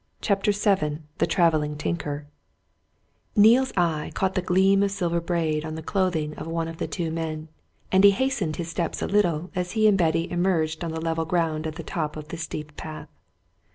CHAPTER VII THE TRAVELLING TINKER Neale's eye caught the gleam of silver braid on the clothing of one of the two men, and he hastened his steps a little as he and Betty emerged on the level ground at the top of the steep path.